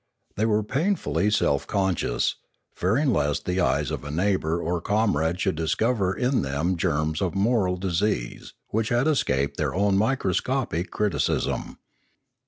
They were painfully self conscious, fearing lest the eyes 6f a neighbour or com rade should discover in them germs of moral disease which had escaped their own microscopic criticism.